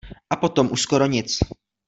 A potom už skoro nic.